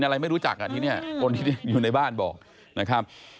อะไรไม่รู้จักกลุ่นที่อยู่ในบ้านบอกนะครับ